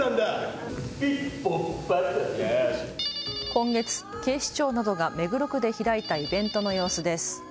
今月、警視庁などが目黒区で開いたイベントの様子です。